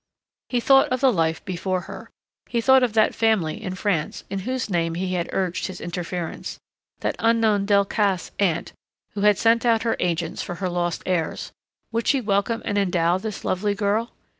He thought of the life before her. He thought of that family in France in whose name he had urged his interference. That unknown Delcassé aunt who had sent out her agents for her lost heirs would she welcome and endow this lovely girl?